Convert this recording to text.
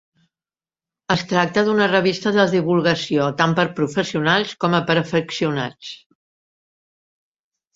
Es tracta d'una revista de divulgació tant per a professionals com per a afeccionats.